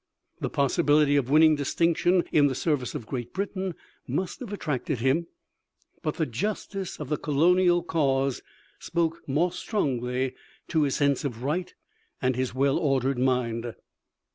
The possibility of winning distinction in the service of Great Britain must have attracted him, but the justice of the colonial cause spoke more strongly to his sense of right and his well ordered mind.